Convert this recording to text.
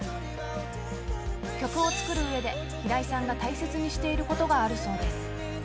曲を作るうえで、平井さんが大切にしていることがあるそうです。